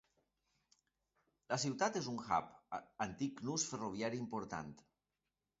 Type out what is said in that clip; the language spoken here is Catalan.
La ciutat és un hub, antic nus ferroviari important.